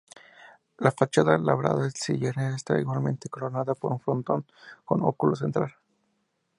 La fachada labrada en sillería está igualmente coronada por un frontón con óculo central.